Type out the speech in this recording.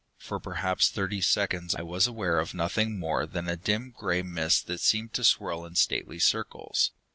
For perhaps thirty seconds I was aware of nothing more than a dim gray mist that seemed to swirl in stately circles.